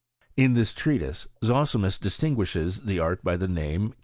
"t ^^ this treatise, Zosimus distinguishes the art by the name!